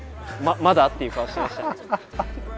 まだ？っていう顔してました。